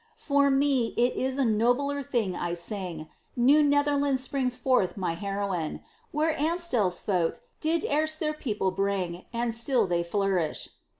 For me, it is a nobler thing I sing. New Netherland springs forth my heroine; Where Amstel's folk did erst their people bring, And still they flourish.